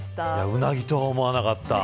ウナギとは思わなかった。